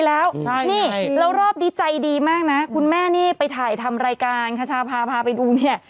แล้วนี่แล้วรอบนี้ใจดีมากนะคุณแม่นี่ไปถ่ายทำรายการคชาพาพาไปดูเนี่ย